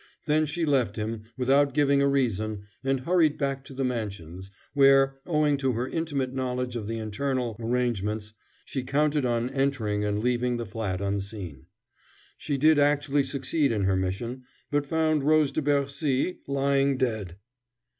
Then she left him, without giving a reason, and hurried back to the mansions, where, owing to her intimate knowledge of the internal arrangements, she counted on entering and leaving the flat unseen. She did actually succeed in her mission, but found Rose de Bercy lying dead.